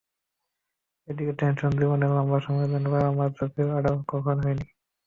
এদিকে টেনশন, জীবনে লম্বা সময়ের জন্য বাবা-মায়ের চোখের আড়াল কখনো হইনি।